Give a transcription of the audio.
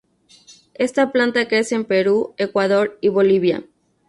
Esta planta crece en Perú, Ecuador y Bolivia.